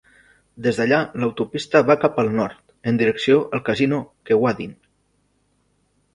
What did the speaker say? Des d'allà, l'autopista va cap al nord, en direcció al casino Kewadin.